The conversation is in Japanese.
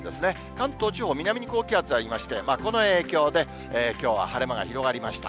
関東地方、南に高気圧がありまして、この影響で、きょうは晴れ間が広がりました。